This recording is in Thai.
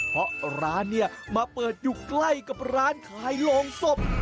เพราะร้านเนี่ยมาเปิดอยู่ใกล้กับร้านขายโรงศพ